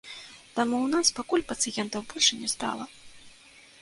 Таму ў нас пакуль пацыентаў больш не стала.